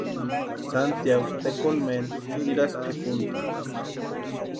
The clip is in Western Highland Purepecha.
Santiagu tekolmena nirasti pʼikuntani.